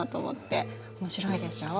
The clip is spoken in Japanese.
面白いでしょう。